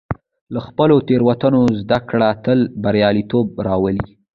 له خپلو تېروتنو زده کړه تل بریالیتوب راولي.